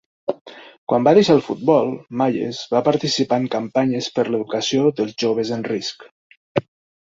Quan va deixar el futbol, Mayes va participar en campanyes per l'educació dels joves en risc.